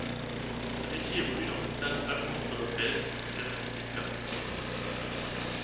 Celui-ci évolue dans le Stade Alfonso López, d'une capacité de personnes.